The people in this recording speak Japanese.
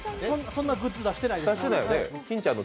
そんなグッズ出してないです。